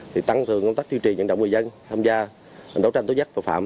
thì tăng thường công tác tiêu triền nhận động người dân tham gia đấu tranh tối giác tội phạm